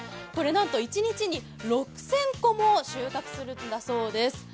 なんと一日に６０００個も収穫するんだそうです。